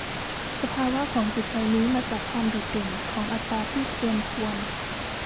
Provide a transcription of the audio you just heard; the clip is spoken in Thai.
สภาวะของจิตใจนี้มาจากความโดดเด่นของอัตตาที่เกินควร